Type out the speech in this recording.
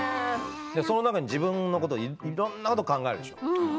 自分のこといろんなことを考えるでしょ？